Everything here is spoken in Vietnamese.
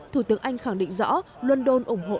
thủ tướng anh khẳng định rõ london ủng hộ